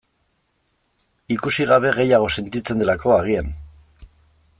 Ikusi gabe gehiago sentitzen delako, agian.